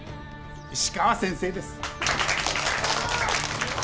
石川先生です。